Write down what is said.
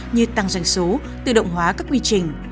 như tăng doanh số tự động hóa các quy trình